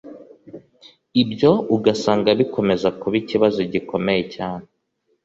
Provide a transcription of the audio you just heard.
Ibyo ugasanga bikomeza kuba ikibazo gikomeye cyane